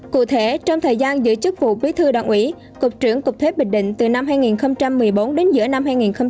cụ thể trong thời gian giữ chức vụ bí thư đảng ủy cục trưởng cục thuế bình định từ năm hai nghìn một mươi bốn đến giữa năm hai nghìn một mươi tám